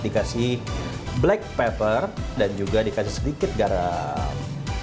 dikasih black pepper dan juga dikasih sedikit garam